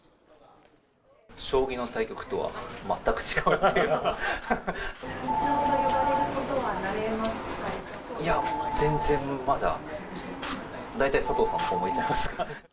将棋の対局とは全く違うって会長と呼ばれることには慣れいや、全然まだ、大体、佐藤さんのほう向いちゃいますから。